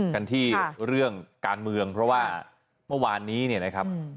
กันที่เรื่องการเมืองเพราะว่าเมื่อวานนี้เนี่ยนะครับ